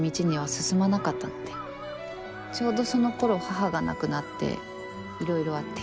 ちょうどそのころ母が亡くなっていろいろあって。